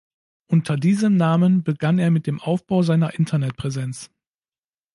Unter diesem Namen begann er mit dem Aufbau seiner Internetpräsenz.